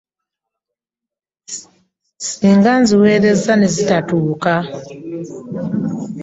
Ssinga nziweereza ne zitatuuka?